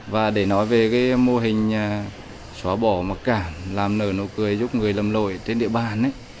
và để nói về cái mô hình xóa bỏ mặc cảm làm nở nụ cười giúp người lầm lội trên địa bàn